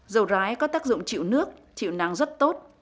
dầu rái có tác dụng chịu nước chịu nắng rất tốt